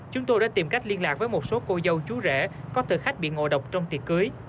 chúng tôi đã tìm cách liên lạc với một số cô dâu chú rể có thực khách bị ngộ độc trong tiệc cưới